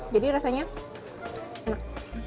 jadi rasanya enak